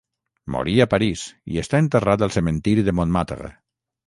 Morí a París, i està enterrat al cementiri de Montmartre.